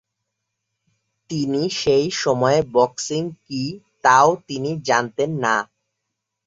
তিনি সেই সময়ে বক্সিং কী তাও তিনি জানতেন না।